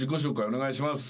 お願いします。